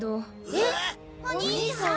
えお兄さん？